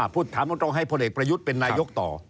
พูดถามตรงให้พลเอกประยุทธ์เป็นนายกต่อ